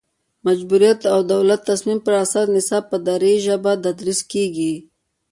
د مجبوریت او د دولت تصمیم پر اساس نصاب په دري ژبه تدریس کیږي